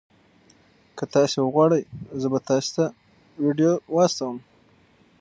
که تاسي وغواړئ زه به تاسي ته دا ویډیو واستوم.